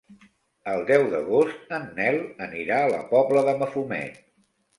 El deu d'agost en Nel anirà a la Pobla de Mafumet.